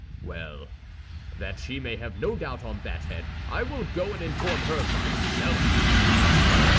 "Well, that she may have no doubt on that head, I will go and inform her myself."